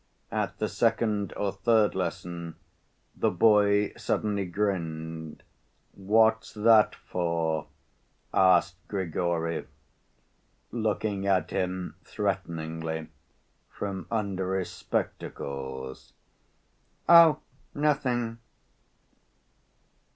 At the second or third lesson the boy suddenly grinned. "What's that for?" asked Grigory, looking at him threateningly from under his spectacles. "Oh, nothing.